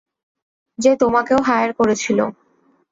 যে তোমাকেও হায়ার করেছিল।